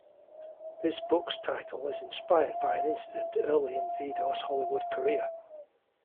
This book's title is inspired by an incident early in Vidor's Hollywood career.